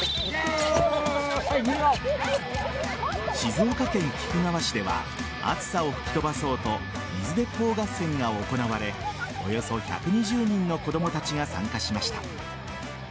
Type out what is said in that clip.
静岡県菊川市では暑さを吹き飛ばそうと水鉄砲合戦が行われおよそ１２０人の子供たちが参加しました。